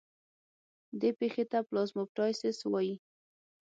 دې پېښې ته پلازموپټایسس وایي.